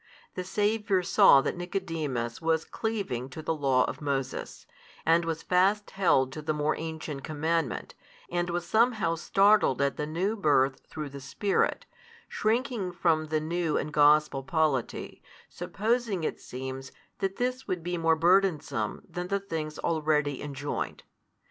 The Saviour saw that Nicodemus was cleaving to the law of Moses, and was fast held to the more ancient commandment, and was somehow startled at the new Birth through the Spirit, shrinking from the new and Gospel polity, supposing it seems that this would be more burdensome than the things already enjoined.